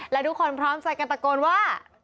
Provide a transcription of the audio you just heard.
และทุกคนพร้อมใจกันตะโกนว่า